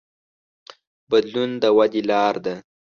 بدلون د ودې لار ده.